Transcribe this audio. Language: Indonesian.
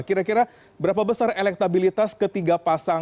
kira kira berapa besar elektabilitas ketiga pasang